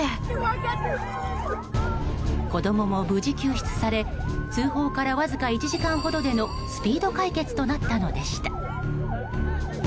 子供も無事救出され通報からわずか１時間ほどでのスピード解決となったのでした。